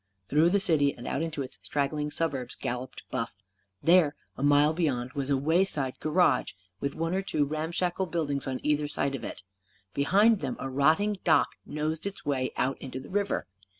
Through the city and out into its straggling suburbs galloped Buff. There, a mile beyond, was a wayside garage, with one or two ramshackle buildings on either side of it. Behind them a rotting dock nosed its way out into the river.